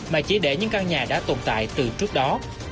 mà chỉ để những căn nhà đã tồn tại từ trước đó